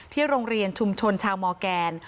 โรงเรียนชุมชนชาวมอร์แกน